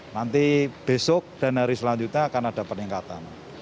nanti besok dan hari selanjutnya akan ada peningkatan